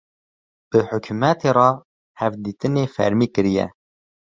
bi hukumetê re hevditînên fermî kiriye.